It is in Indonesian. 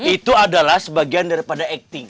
itu adalah sebagian daripada acting